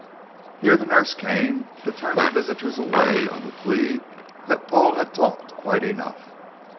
Here the nurse came to turn the visitors away on the plea that Paul had talked quite enough.